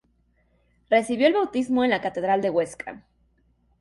Recibió el bautismo en la catedral de Huesca.